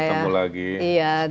senang sekali bertemu lagi